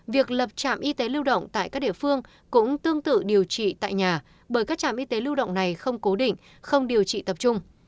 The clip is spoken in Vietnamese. việc lập trạm y tế lưu động tại các địa phương cũng tương tự điều trị tại nhà bởi các trạm y tế lưu động này không cố định không điều trị tập trung